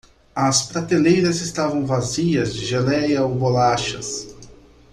As prateleiras estavam vazias de geléia ou bolachas.